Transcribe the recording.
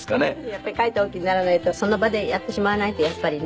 やっぱり書いておおきにならないとその場でやってしまわないとやっぱりね。